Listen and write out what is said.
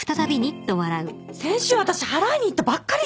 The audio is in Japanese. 先週私払いに行ったばっかりじゃん。